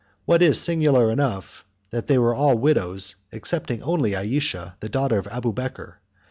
What is singular enough, they were all widows, excepting only Ayesha, the daughter of Abubeker.